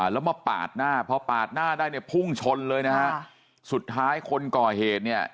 แล้วมาปาดหน้าพอปาดหน้าได้เนี่ยพุ่งชนเลยนะฮะสุดท้ายคนก่อเหตุเนี่ย